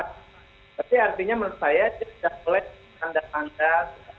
tapi artinya menurut saya dia sudah coba lihat tanda tanda simbolik yang saya perlihatkan